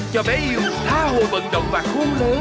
cho bé yêu tha hồ vận động và khôn lớn